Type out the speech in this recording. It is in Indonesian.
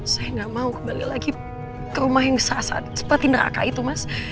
saya nggak mau kembali lagi ke rumah yang sasat seperti neraka itu mas